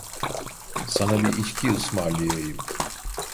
Sana bir içki ısmarlayayım.